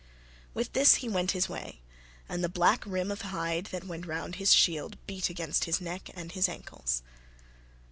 With this he went his way, and the black rim of hide that went round his shield beat against his neck and his ancles.